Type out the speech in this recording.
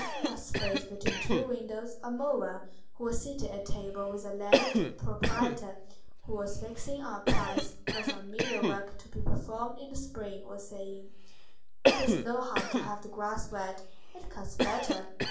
In a space between two windows a mower, who was seated at table with a landed proprietor who was fixing on a price for some meadow work to be performed in the spring, was saying:— "It does no harm to have the grass wet. It cuts better.